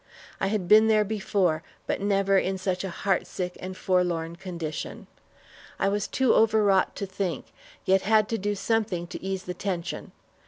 I had been there before, but never in such a heartsick and forlorn condition. I was too overwrought to think, yet had to do something to ease the tension.